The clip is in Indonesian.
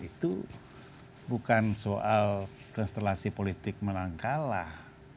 itu bukan soal konstelasi politik menang kalah